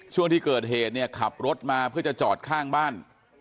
ช่วงที่เกิดเหตุเนี่ยขับรถมาเพื่อจะจอดข้างบ้าน